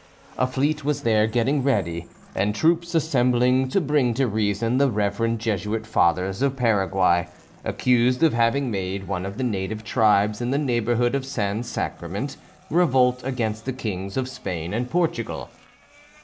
A fleet was there getting ready, and troops assembling to bring to reason the reverend Jesuit Fathers of Paraguay, accused of having made one of the native tribes in the neighborhood of San Sacrament revolt against the Kings of Spain and Portugal.